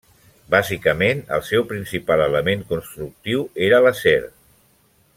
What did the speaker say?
Bàsicament, el seu principal element constructiu era l'acer.